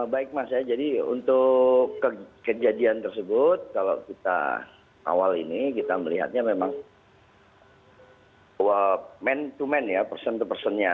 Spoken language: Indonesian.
baik mas ya jadi untuk kejadian tersebut kalau kita awal ini kita melihatnya memang man to man ya person to personnya